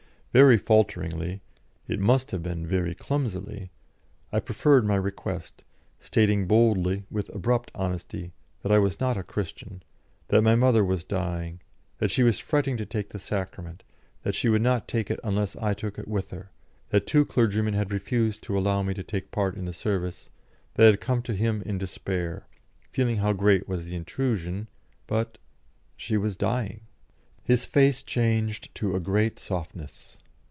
Very falteringly it must have been very clumsily I preferred my request, stating boldly, with abrupt honesty, that I was not a Christian, that my mother was dying, that she was fretting to take the Sacrament, that she would not take it unless I took it with her, that two clergymen had refused to allow me to take part in the service, that I had come to him in despair, feeling how great was the intrusion, but she was dying. His face changed to a great softness.